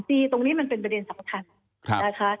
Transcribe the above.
ตรงนี้เป็นประเด็นสมาทับ